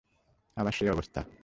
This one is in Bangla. আবার সেই অবস্থা!